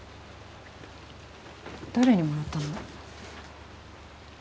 誰にもらったの？